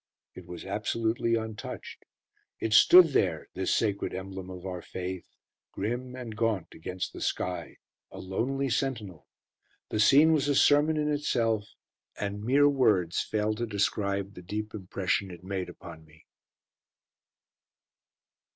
It was absolutely untouched. It stood there this sacred emblem of our Faith grim and gaunt against the sky. A lonely sentinel. The scene was a sermon in itself, and mere words fail to describe the deep impression it made upon me.